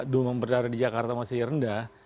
demam berdarah di jakarta masih rendah